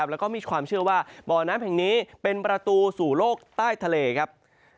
แล้วก็มีความเชื่อว่าบ่อน้ำแห่งนี้เป็นประตูสู่โลกใต้ทะเลครับ